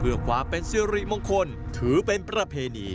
เพื่อความเป็นสิริมงคลถือเป็นประเพณี